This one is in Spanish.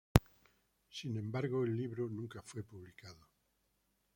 Sin embargo el libro nunca fue publicado.